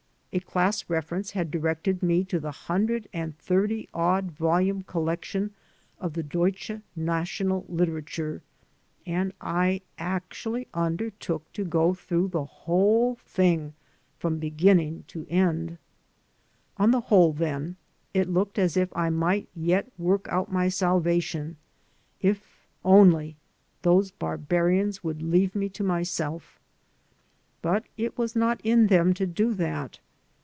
A class reference had directed me to the hundred and thirty odd volume collection of the Deutsche National Literatur, and I actually undertook to go through the whole thing from beginnmg to end. On the whole, then, it looked as if I might yet work out my salvation if only those barbarians would leave me to myself. But it was not in them to do that.